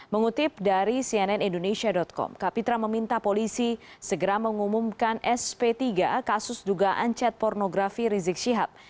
mengutip dari cnn indonesia com kapitra meminta polisi segera mengumumkan sp tiga kasus dugaan chat pornografi rizik syihab